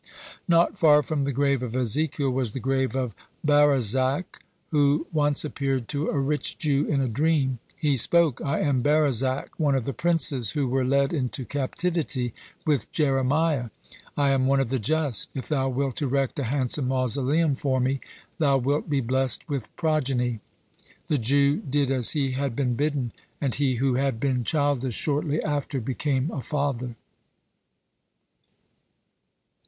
Not far from the grave of Ezekiel was the grave of Barozak, who once appeared to a rich Jew in a dream. He spoke: "I am Barozak, one of the princes who were led into captivity with Jeremiah. I am one of the just. If thou wilt erect a handsome mausoleum for me, thou wilt be blessed with progeny." The Jew did as he had been bidden, and he who had been childless, shortly after became a father.